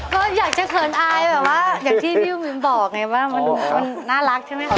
ก็อยากจะเขินอายแบบว่าอย่างที่พี่มิ้นบอกไงว่ามันน่ารักใช่ไหมคะ